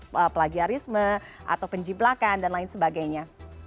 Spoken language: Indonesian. proses plagiarisme atau penciplakan dan lain sebagainya